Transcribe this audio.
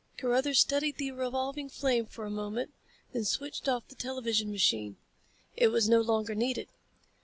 Carruthers studied the revolving flame for a moment, then switched off the television machine. It was no longer needed.